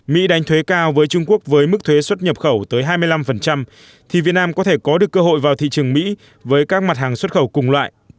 mỹ đánh thuế cao với trung quốc với mức thuế xuất nhập khẩu tới hai mươi năm thì việt nam có thể có được cơ hội vào thị trường mỹ với các mặt hàng xuất khẩu cùng loại